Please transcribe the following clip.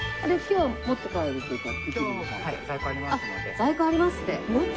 在庫ありますって。